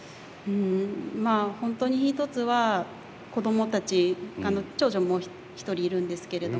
本当に１つは子どもたち長女も１人いるんですけれども。